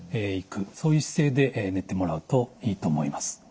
そういう姿勢で寝てもらうといいと思います。